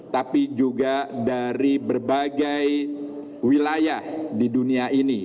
tapi juga dari berbagai wilayah di dunia ini